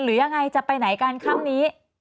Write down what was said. หรือยังไงจะไปไหนกันค่ำนี้